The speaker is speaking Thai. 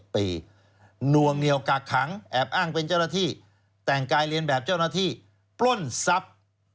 นวงเหนียวกากขังแอบอ้างเป็นเจ้าหน้าที่แต่งกายเรียนแบบเจ้าหน้าที่ปล้นทรัพย์